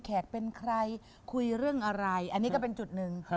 แขกเป็นใครคุยเรื่องอะไรอันนี้ก็เป็นจุดหนึ่ง